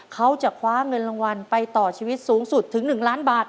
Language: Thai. เขาจะคว้าเงินรางวัลไปต่อชีวิตสูงสุดถึง๑ล้านบาท